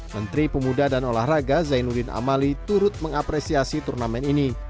menteri pemuda dan olahraga zainuddin amali turut mengapresiasi turnamen ini